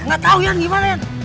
gak tau yang gimana yang